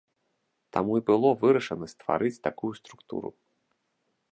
Таму і было вырашана стварыць такую структуру.